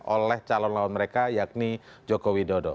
oleh calon lawan mereka yakni jokowi dodo